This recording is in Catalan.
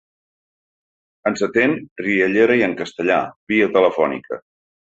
Ens atén, riallera i en castellà, via telefònica.